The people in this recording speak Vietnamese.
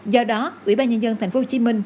do đó ủy ban nhân dân tp hcm